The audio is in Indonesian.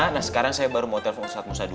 nah sekarang saya baru mau telepon ustadz musa dulu